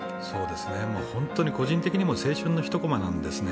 本当に個人的にも青春のひとコマなんですね。